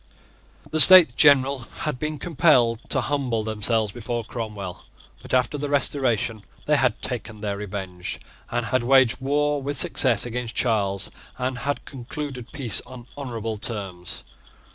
The States General had been compelled to humble themselves before Cromwell. But after the Restoration they had taken their revenge, had waged war with success against Charles, and had concluded peace on honourable terms.